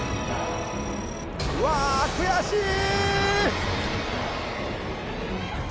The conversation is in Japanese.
わ、悔しい！